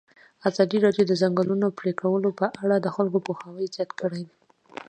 ازادي راډیو د د ځنګلونو پرېکول په اړه د خلکو پوهاوی زیات کړی.